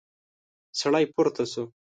سړی پورته شو.